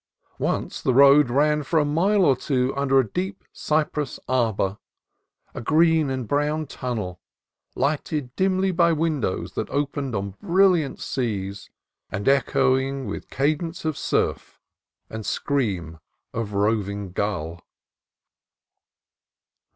Once the road ran for a mile or two under a deep cypress arbor, a green and brown tunnel lighted dimly by windows that opened on brilliant seas, and echoing with cadence of surf and scream of roving gull.